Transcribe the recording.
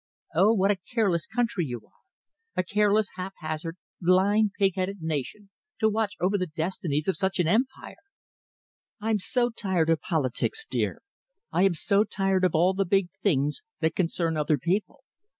Oh, what a careless country you are! a careless, haphazard, blind, pig headed nation to watch over the destinies of such an Empire! I'm so tired of politics, dear. I am so tired of all the big things that concern other people.